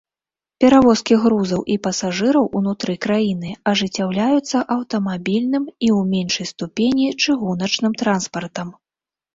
Перавозкі грузаў і пасажыраў унутры краіны ажыццяўляюцца аўтамабільным і, у меншай ступені, чыгуначным транспартам.